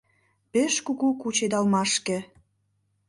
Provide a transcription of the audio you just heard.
Пеш кугу кучедалмашке.